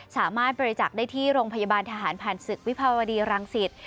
บริจักษ์ได้ที่โรงพยาบาลทหารผ่านศึกวิภาวดีรังสิต